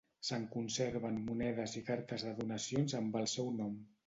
Se'n conserven monedes i cartes de donacions amb el seu nom.